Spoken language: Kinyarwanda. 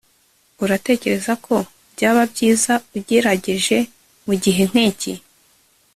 Uratekereza ko byaba byiza ugerageje mu gihe nkiki